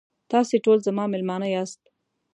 تاسې ټول زما میلمانه یاست.